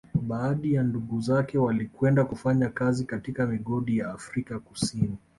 Baadhi ya ndugu zake walikwenda kufanya kazi katika migodi ya Afrika Kusini